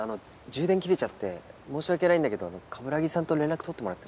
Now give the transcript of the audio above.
充電切れちゃって申し訳ないんだけど鏑木さんと連絡とってもらってもいい？